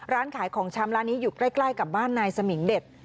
ร้านขายของชำร้านนี้อยู่ใกล้กับบ้านนายสมิงเด็ด